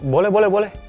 boleh boleh boleh